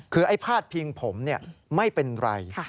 คือไอ้พาดพิงผมไม่เป็นไร